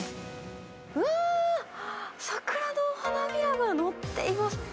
うわー、桜の花びらが載っています。